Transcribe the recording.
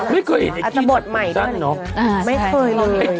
ไม่เคยเห็นไอ้กี้ตัดผมสั้นเนอะ